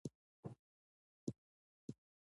کلیمه نوم، فعل او صفت کېدای سي.